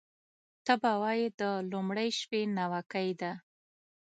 ته به وایې د لومړۍ شپې ناوکۍ ده